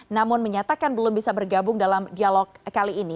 namun menyatakan belum bisa bergabung dalam dialog kali ini